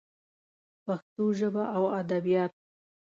پښتو ژبه او ادبیات